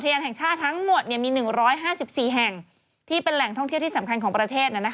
ยานแห่งชาติทั้งหมดมี๑๕๔แห่งที่เป็นแหล่งท่องเที่ยวที่สำคัญของประเทศ